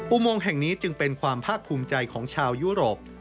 อุโมงแห่งนี้จึงเป็นความภาคภูมิใจของชาวยุโรป